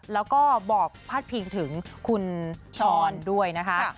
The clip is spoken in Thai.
แล้วก็บอกพาดพิงถึงคุณช้อนด้วยนะคะ